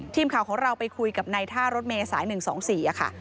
ทีมข่าวของเราไปคุยกับในท่ารถเมย์สาย๑๒๔ค่ะ